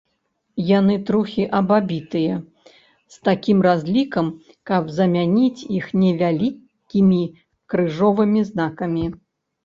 Яны трохі абабітыя з такім разлікам, каб замяніць іх невялікімі крыжовымі знакамі.